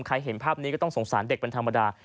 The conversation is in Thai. เห็นภาพนี้ก็ต้องสงสารเด็กเป็นธรรมดา